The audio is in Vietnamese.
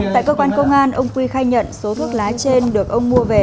tại cơ quan công an ông quy khai nhận số thuốc lá trên được ông mua về